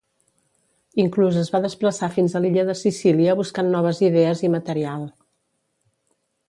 Inclús es va desplaçar fins a l'illa de Sicília buscant noves idees i material.